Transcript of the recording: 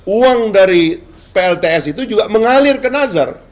uang dari plts itu juga mengalir ke nazar